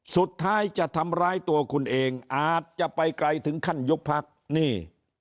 สุดท้ายจะทำร้ายตัวคุณเองอาจจะไปไกลถึงขั้นยุบพักนี่